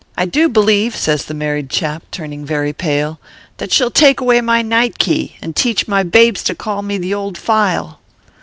I do believe/ says the married chap, turning very pale, " that she ll take away my night key, and teach rny babes to call me the Old File."